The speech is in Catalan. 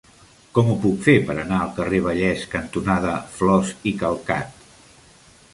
Com ho puc fer per anar al carrer Vallès cantonada Flos i Calcat?